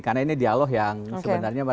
karena ini dialog yang sebenarnya